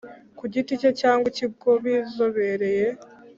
Ku giti cye cyangwa ikigo bizobereye